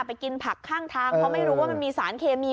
กินผักข้างทางเพราะไม่รู้ว่ามันมีสารเคมี